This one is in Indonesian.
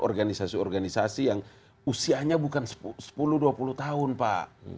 organisasi organisasi yang usianya bukan sepuluh dua puluh tahun pak